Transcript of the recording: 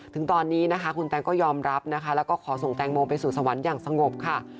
ถึงตอนนี้นะคะคุณแตงก็ยอมรับนะคะแล้วก็ขอส่งแตงโมไปสู่สวรรค์อย่างสงบค่ะ